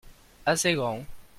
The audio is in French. assez grand.